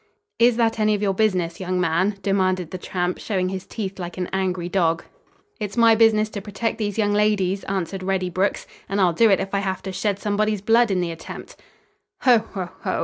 "Is that any of your business, young man?" demanded the tramp, showing his teeth like an angry dog. "It's my business to protect these young ladies," answered Reddy Brooks, "and I'll do it if I have to shed somebody's blood in the attempt." "Ho, ho, ho!"